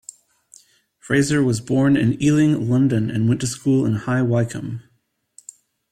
Fraser was born in Ealing, London and went to school in High Wycombe.